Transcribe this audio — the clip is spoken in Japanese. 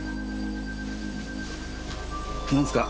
何すか？